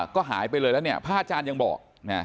ก็หายไปเลยแล้วเนี่ยพระอาจารย์ยังบอก